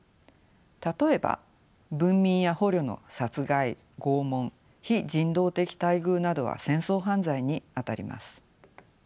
例えば文民や捕虜の殺害拷問非人道的待遇などは戦争犯罪にあたります。